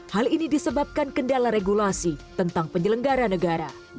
hal ini disebabkan kendala regulasi tentang penyelenggara negara